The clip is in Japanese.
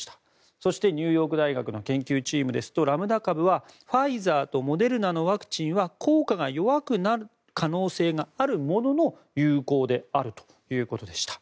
そして、ニューヨーク大学の研究チームですとラムダ株はファイザーとモデルナのワクチンは効果が弱くなる可能性があるものの有効であるということでした。